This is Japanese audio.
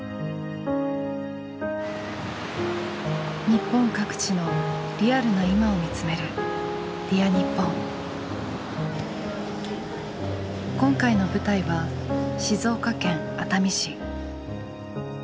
日本各地のリアルな今を見つめる今回の舞台は静岡県熱海市。